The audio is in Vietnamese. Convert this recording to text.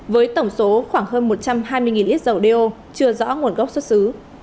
với tổng số khoảng hơn một trăm hai mươi lít dầu đeo chưa rõ nguồn gốc xuất xứ